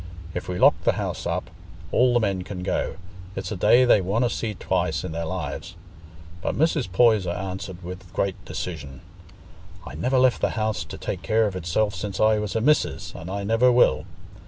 If we lock th' house up, all the men can go: it's a day they wonna see twice i' their lives." But Mrs. Poyser answered with great decision: "I never left the house to take care of itself since I was a missis, and I never will.